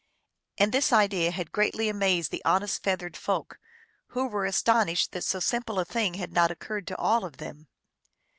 And this idea had greatly amazed the honest feathered folk, who were astonished that so simple a thing had not occurred to all of them.